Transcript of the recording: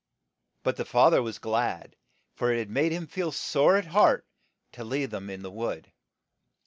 ' But the fa ther was glad, for it had made him feel sore at heart to leave them in the wood.